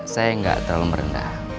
saya gak terlalu merendah